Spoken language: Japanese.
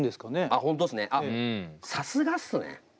あっさすがっすね。